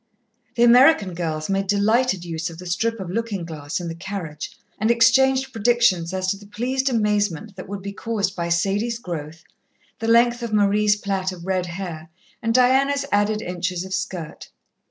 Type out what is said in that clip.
The American girls made delighted use of the strip of looking glass in the carriage, and exchanged predictions as to the pleased amazement that would be caused by Sadie's growth, the length of Marie's plait of red hair, and Diana's added inches of skirt.